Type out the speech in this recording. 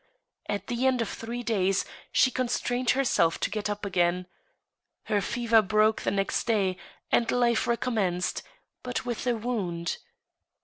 At the end of three days she constrained herself to get up again. Her fever broke the next day, and life recommenced, but with a wound.